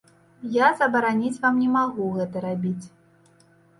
Я забараніць вам не магу гэта рабіць.